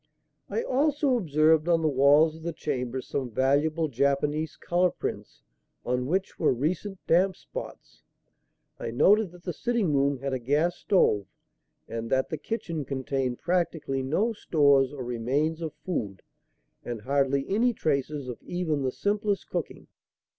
I also observed on the walls of the chambers some valuable Japanese colour prints on which were recent damp spots. I noted that the sitting room had a gas stove and that the kitchen contained practically no stores or remains of food and hardly any traces of even the simplest cooking.